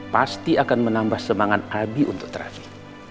pasti akan menambah semangat abi untuk terapi